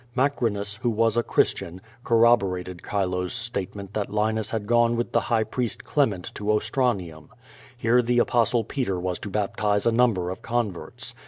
Macrinus, who was a Christian, corrobo rated Chilo's statement that Linus had gone with the High Priest Clement to Ostranium. Here the Apostle Peter was to baptize a number of converts.